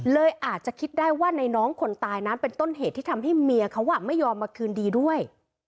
เลยอาจจะคิดได้ว่าในน้องคนตายนั้นเป็นต้นเหตุที่ทำให้เมียเขาไม่ยอมมาคืนดีด้วย